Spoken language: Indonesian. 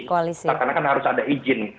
karena kan harus ada izin